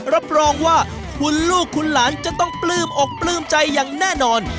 รับรองว่าคุณลูกคุณหลานจะต้องปลื้มอกปลื้มใจอย่างแน่นอน